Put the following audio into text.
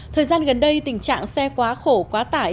thời gian gần đây tình trạng xe quá khổ quá tải